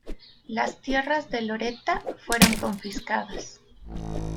Las tierras de Loretta fueron confiscadas.